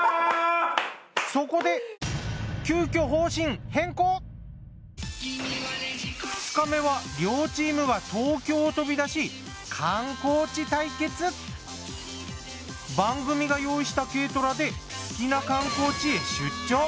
そこで急きょ２日目は両チームは東京を飛び出し番組が用意した軽トラで好きな観光地へ出張。